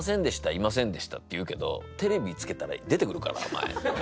「いませんでした」って言うけどテレビつけたら出てくるから。